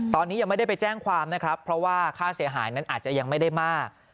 ตอนนี้ยังไม่ได้ไปแจ้งความนะครับเพราะว่าค่าเสียหายนั้นอาจจะยังไม่ได้มาก